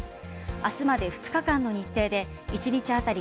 明日まで２日間の日程で１日あたり